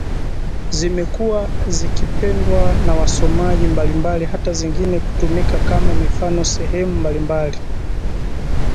zimekuwa zikipendwa na wasomaji mbalimbali hata zingine kutumika kama mifano sehemu mbalimbali